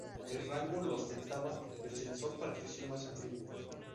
El rango lo ostentaba el censor patricio más antiguo.